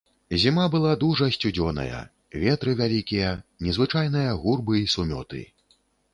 Зіма была дужа сцюдзёная, ветры вялікія, незвычайныя гурбы і сумёты.